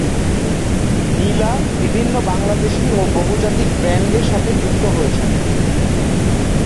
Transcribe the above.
নীলা বিভিন্ন বাংলাদেশী ও বহুজাতিক ব্রান্ডের সাথে যুক্ত হয়েছেন।